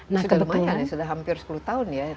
sudah lumayan ya sudah hampir sepuluh tahun ya